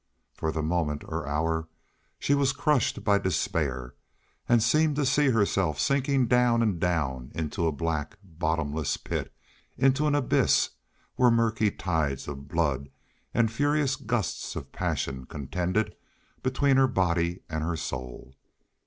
For the moment or hour she was crushed by despair, and seemed to see herself sinking down and down into a black, bottomless pit, into an abyss where murky tides of blood and furious gusts of passion contended between her body and her soul.